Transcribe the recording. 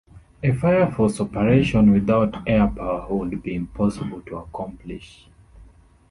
A Fireforce operation without air power would be impossible to accomplish.